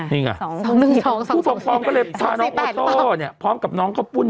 นี่ไงผู้ปกครองก็เลยพาน้องโอโต้เนี่ยพร้อมกับน้องข้าวปุ้น